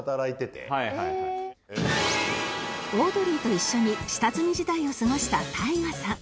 オードリーと一緒に下積み時代を過ごした ＴＡＩＧＡ さん